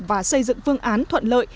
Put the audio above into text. và xây dựng phương án thuận lợi